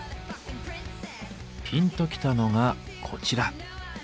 ピンときたのがこちら。